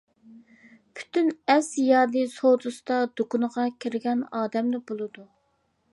پۈتۈن ئەس-يادى سودىسىدا دۇكىنىغا كىرگەن ئادەمدە بولىدۇ.